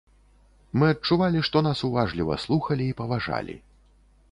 Мы адчувалі, што нас уважліва слухалі і паважалі.